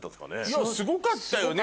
いやすごかったよね